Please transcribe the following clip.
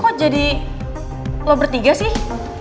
kok jadi lo bertiga sih